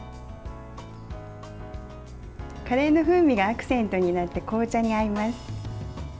カレーの風味がアクセントになって紅茶に合います。